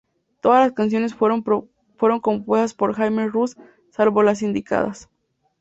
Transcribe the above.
Todas las canciones fueron compuestas por Jaime Roos salvo las indicadas.